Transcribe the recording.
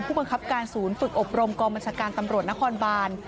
บังคับการศูนย์ฝึกอบรมกองบัญชาการตำรวจนครบาน